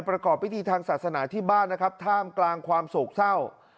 ประกอบพิธีทางศาสนาที่บ้านนะครับท่ามกลางความโศกเศร้า